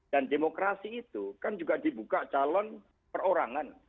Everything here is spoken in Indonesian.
dan demokrasi itu kan juga dibuka calon perorangan